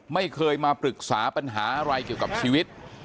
ไม่เคยมาปรึกษาปัญหาอะไรเกี่ยวกับชีวิต